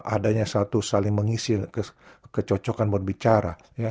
adanya satu saling mengisi kecocokan berbicara